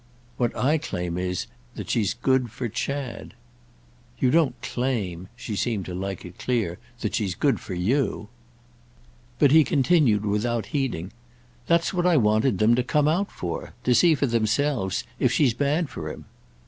"What I claim is that she's good for Chad." "You don't claim"—she seemed to like it clear—"that she's good for you." But he continued without heeding. "That's what I wanted them to come out for—to see for themselves if she's bad for him."